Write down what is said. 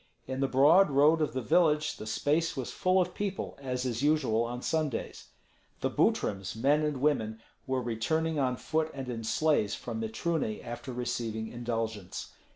In the broad road of the village the space was full of people, as is usual on Sundays. The Butryms, men and women, were returning on foot and in sleighs from Mitruny after receiving indulgence.